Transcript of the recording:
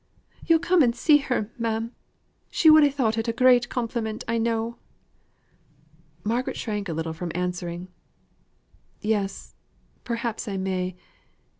Yo'll come and see her ma'am. She would ha' thought it a great compliment, I know." Margaret shrank a little from answering. "Yes, perhaps I may.